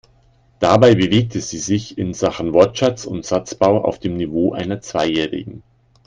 Dabei bewegte sie sich in Sachen Wortschatz und Satzbau auf dem Niveau einer Zweijährigen.